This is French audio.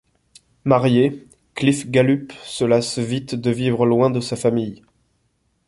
Marié, Cliff Gallup se lasse vite de vivre loin de sa famille.